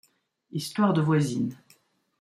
Histoire de Voisines.